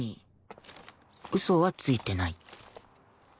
ウソはついてない